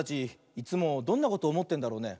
いつもどんなことおもってんだろうね。